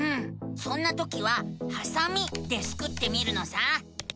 そんなときは「はさみ」でスクってみるのさ！